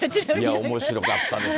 おもしろかったですよ。